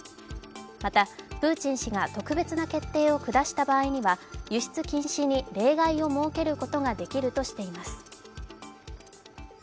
また、プーチン氏が特別な決定を下した場合には輸出禁止に例外を設けることができるとしています。